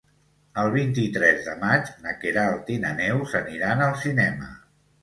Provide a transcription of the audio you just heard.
El vint-i-tres de maig na Queralt i na Neus aniran al cinema.